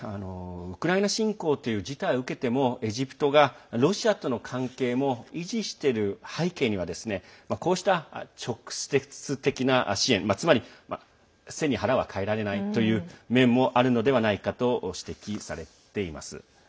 ウクライナ侵攻という事態を受けてもエジプトがロシアとの関係も維持している背景にはこうした直接的な支援つまり背に腹は代えられないという面もあるのではないかと指摘されています。